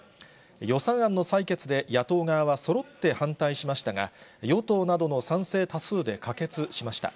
予算案の採決で、野党側はそろって反対しましたが、与党などの賛成多数で可決しました。